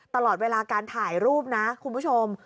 ตลอดเวลาการถ่ายรูปนะคุณผู้ชม